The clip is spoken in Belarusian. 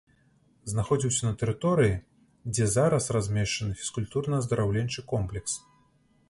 Знаходзіўся на тэрыторыі, дзе зараз размешчаны фізкультурна-аздараўленчы комплекс.